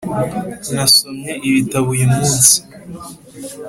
Nasomye ibitbo uyu munsi